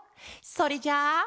それじゃあ。